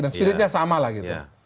dan spiritnya sama lah gitu